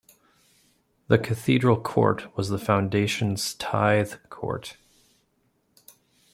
The Cathedral Court was the Foundation's tithe court.